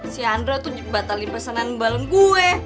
si andra tuh jembatalin pesenan balon gue